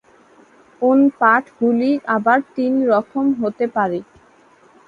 ওন-পাঠগুলি আবার তিন রকম হতে পারে।